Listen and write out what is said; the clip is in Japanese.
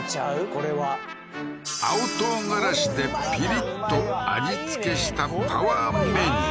これは青唐辛子でピリッと味付けしたパワーメニュー